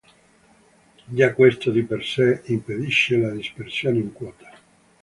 Già questo di per sé impedisce la dispersione in quota.